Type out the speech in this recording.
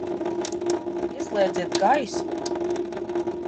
Ieslēdziet gaismu!